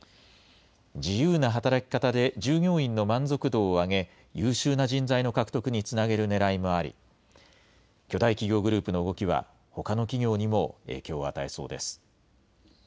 自由な働き方で従業員の満足度を上げ、優秀な人材の獲得につなげるねらいもあり、巨大企業グループの動きは、ほかの企業にも影響